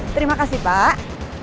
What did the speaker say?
terima kasih pak